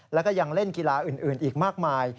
แล้วก็ยังเล่นกีฬาอื่นอีกมากมาย